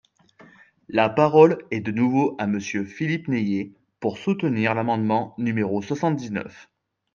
La parole est de nouveau à Monsieur Philippe Naillet, pour soutenir l’amendement numéro soixante-dix-neuf.